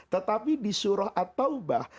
tetapi di surah at taubah